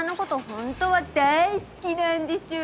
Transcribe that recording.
ホントは大好きなんでしょう？